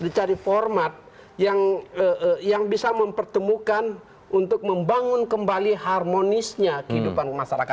dicari format yang bisa mempertemukan untuk membangun kembali harmonisnya kehidupan masyarakat